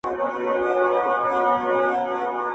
زما ياران اوس په دې شكل سـوله~